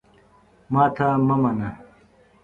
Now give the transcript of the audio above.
ماته مه منه !